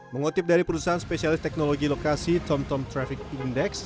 mengutip dari perusahaan spesialis teknologi lokasi tomtom traffic index